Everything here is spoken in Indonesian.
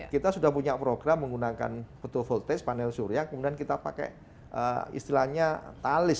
kita sudah punya program menggunakan betul voltage panel surya kemudian kita pakai istilahnya talis